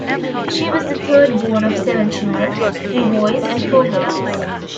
She was the third born of seven children, three boys and four girls.